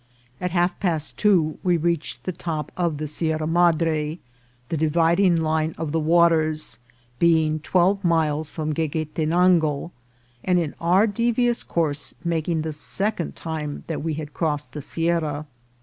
At half past two we reached the top of the Sierra Madre, the dividing line of the waters, be ing twelve miles from Gueguetenango, and in our de vious course making the second time that we had THE SIERRA MADRE. 233 crossed the sierra.